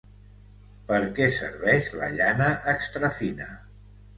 Per què serveix la llana extrafina?